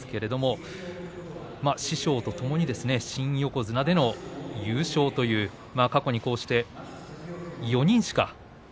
師匠とともに新横綱での優勝という過去に４人しかいない。